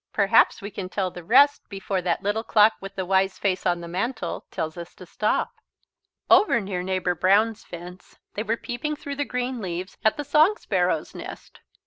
Perhaps we can tell the rest before that Little Clock with the Wise Face on the Mantel tells us to stop. Over near Neighbour Brown's fence they were peeping through the green leaves at the song sparrow's nest.